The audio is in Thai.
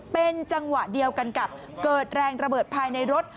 เป็นจังหวะเดียวกันกับเกิดแรงระเบิดภายในรถ